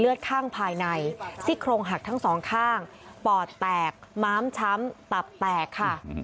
เลือดข้างภายในซิกโครงหักทั้ง๒ข้างปอดแตกม้ำช้ำตับแตก